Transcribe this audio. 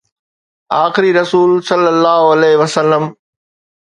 آخري رسول صلي الله عليه وسلم